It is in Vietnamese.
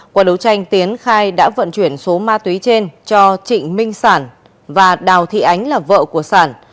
qua đấu tranh tiến khai đã vận chuyển số ma túy trên cho trịnh minh sản và đào thị ánh là vợ của sản